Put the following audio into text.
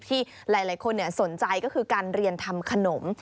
ที่หลายคนสนใจก็คือการเรียนทำขนม